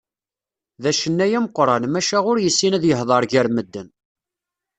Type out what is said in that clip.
D acennay ameqqran, maca ur yessin ad yehder gar medden.